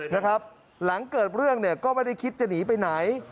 ถ้าเกิดเรื่องก็ไม่ได้คิดจะหนีไปไหน